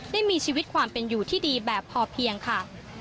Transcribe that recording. ได้มีชีวิตความเป็นอยู่ที่ดีแบบพอเพียงค่ะ